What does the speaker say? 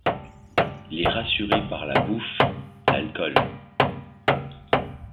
Les rassurer par la bouffe, l’alcool.